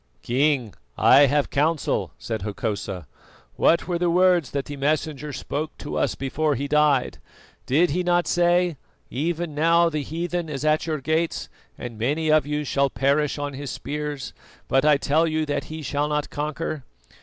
"King, I have counsel," said Hokosa. "What were the words that the Messenger spoke to us before he died? Did he not say: 'Even now the heathen is at your gates, and many of you shall perish on his spears; but I tell you that he shall not conquer'?